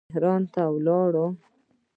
تهران ته ولاړ.